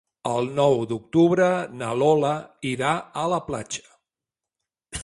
El nou d'octubre na Lola irà a la platja.